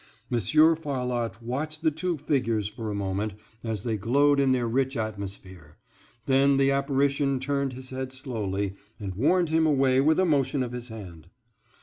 Monsieur Farlotte watched the two figures for a moment as they glowed in their rich atmosphere; then the apparition turned his head slowly, and warned him away with a motion of his hand.